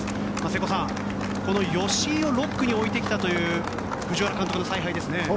瀬古さん、吉居を６区に置いてきたという藤原監督の采配ですね。